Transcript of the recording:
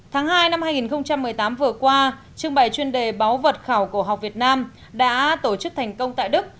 tháng hai năm hai nghìn một mươi tám vừa qua trưng bày chuyên đề báo vật khảo cổ học việt nam đã tổ chức thành công tại đức